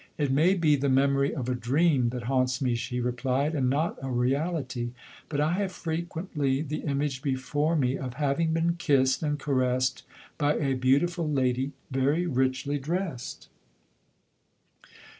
" It may be the me LODORE. 71 mory of a dream that haunts me," she replied, 44 and not a reality; but I have frequently t! image before me, of haying been kissed and caressed by a beautiful lady, very richly drei sed."